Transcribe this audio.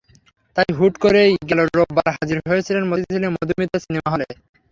তাই হুট করেই গেল রোববার হাজির হয়েছিলেন মতিঝিলের মধুমিতা সিনেমা হলে।